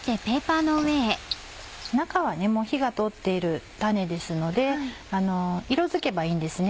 中は火が通っているタネですので色づけばいいんですね。